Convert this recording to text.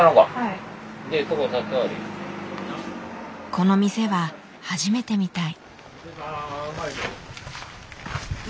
この店は初めてみたい。